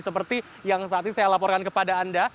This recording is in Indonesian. seperti yang saat ini saya laporkan kepada anda